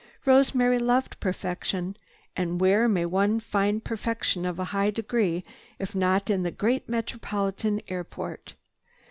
Rosemary loved perfection. And where may one find perfection of high degree if not in a great metropolitan airport?